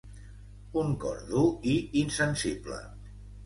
Un cor dur i insensible.